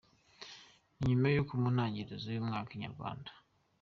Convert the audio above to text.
Ni nyuma y’uko mu ntangiriro z’uyu mwaka, inyarwanda.